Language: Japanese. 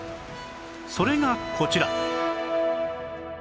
それがこちら